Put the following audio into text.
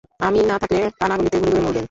আমি না থাকলে কানাগলিতে ঘুরে ঘুরে মরবেন।